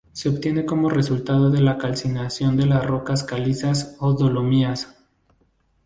Se obtiene como resultado de la calcinación de las rocas calizas o dolomías.